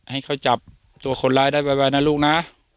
ให้เขาจับตัวคนร้ายได้ไวนะลูกนะ